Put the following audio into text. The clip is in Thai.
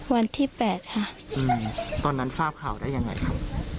วันที่๘ค่ะตอนนั้นทราบข่าวได้ยังไงครับ